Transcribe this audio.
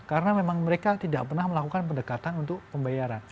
karena memang mereka tidak pernah melakukan pendekatan untuk pembayaran